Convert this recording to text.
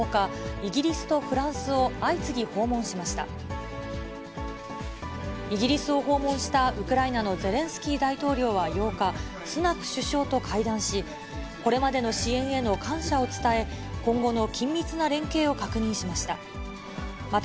イギリスを訪問したウクライナのゼレンスキー大統領は８日、スナク首相と会談し、これまでの支援への感謝を伝え、今後の緊密な連携を確認しました。